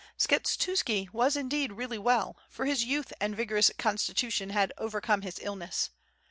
Skshetuski was indeed really well, for his youth and vigor ous constitution had overcome his illness.